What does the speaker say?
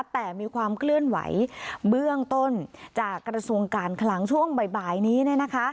แต่มีความเคลื่อนไหวเบื้องต้นจากกระทรวงการคลังช่วงบ่ายนี้